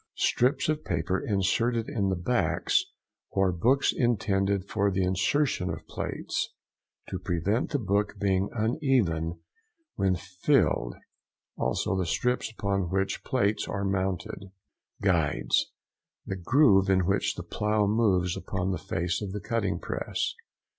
—Strips of paper inserted in the backs or books intended for the insertion of plates, to prevent the book being uneven when filled; also the strips upon which plates are mounted. GUIDES.—The groove in which the plough moves upon the face of the cutting press.